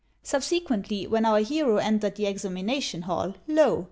Subsequently, when our hero entered the examination hall, lo!